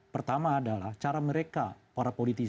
pertama adalah cara mereka